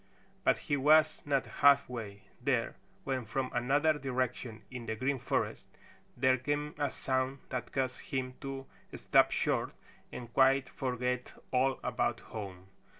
But he was not halfway there when from another direction in the Green Forest there came a sound that caused him to stop short and quite forget all about home.